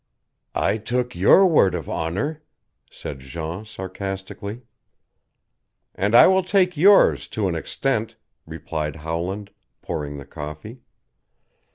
"I took your word of honor," said Jean sarcastically. "And I will take yours to an extent," replied Howland, pouring the coffee.